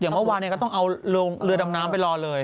เมื่อวานก็ต้องเอาเรือดำน้ำไปรอเลย